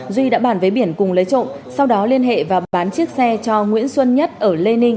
duy đã bản với biển cùng lấy trộm sau đó liên hệ và bán chiếc xe cho nguyễn xuân nhất ở lê ninh